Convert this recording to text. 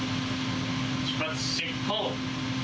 出発進行！